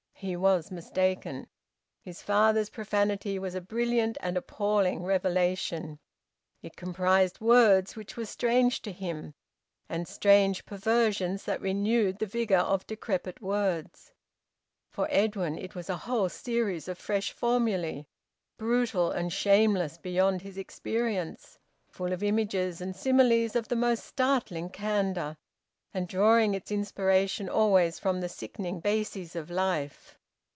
He was mistaken. His father's profanity was a brilliant and appalling revelation. It comprised words which were strange to him, and strange perversions that renewed the vigour of decrepit words. For Edwin, it was a whole series of fresh formulae, brutal and shameless beyond his experience, full of images and similes of the most startling candour, and drawing its inspiration always from the sickening bases of life.